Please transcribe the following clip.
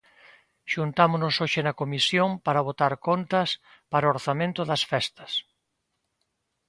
Xuntámonos hoxe na comisión para botar contas para o orzamento das festas